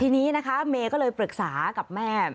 ทีนี้นะคะเมย์ก็เลยปรึกษากับแม่